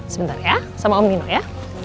sebentar ya sama om nino ya